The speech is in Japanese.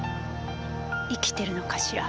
生きてるのかしら？